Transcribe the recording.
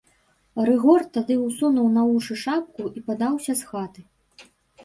Рыгор тады ўссунуў на вушы шапку і падаўся з хаты.